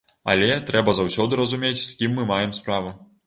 Але трэба заўсёды разумець з кім мы маем справу.